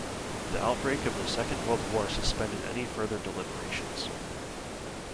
The outbreak of the Second World War suspended any further deliberations.